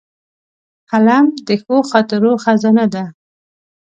قلم د ښو خاطرو خزانه ده